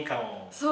そう。